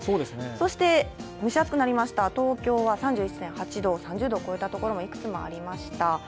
そして蒸し暑くなりました、東京は３１．８度３０度を超えたところもいくつもありました。